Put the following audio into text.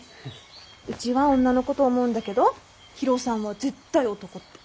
うちは女の子と思うんだけど博夫さんは絶対男って。